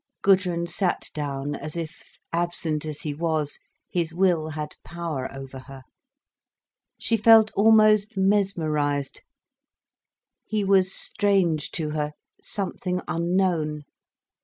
Gudrun sat down, as if, absent as he was, his will had power over her. She felt almost mesmerised. He was strange to her, something unknown.